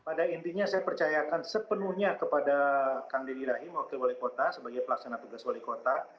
pada intinya saya percayakan sepenuhnya kepada kang deddy rahim wakil wali kota sebagai pelaksana tugas wali kota